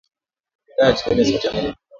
idhaa ya kiswahili ya sauti ya Amerika